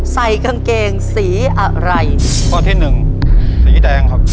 ใส่กางเกงสีอะไรข้อที่หนึ่งสีแดงครับ